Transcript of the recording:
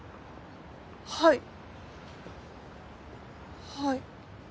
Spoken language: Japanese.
はいはい。